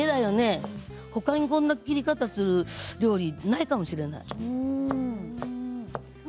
ほかにこんな切り方する料理ないかもしれない。